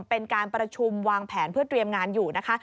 เป็นการประชุมวางแผนเพื่อเตรียมงานอยู่นะคะ